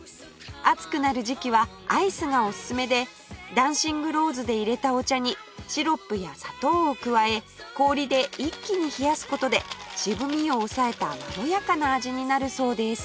暑くなる時期はアイスがおすすめでダンシングローズで入れたお茶にシロップや砂糖を加え氷で一気に冷やす事で渋みを抑えたまろやかな味になるそうです